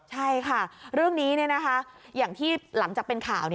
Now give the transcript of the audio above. ใช่ค่ะเรื่องนี้อย่างที่หลังจากเป็นข่าว